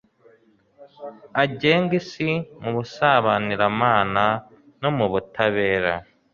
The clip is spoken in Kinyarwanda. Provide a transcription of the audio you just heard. agenge isi mu busabaniramana no mu butabera